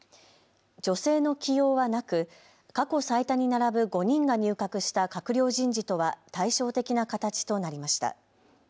女性の起用はなく、過去最多に並ぶ５人が入閣した閣僚人事とは対照的な形となりました。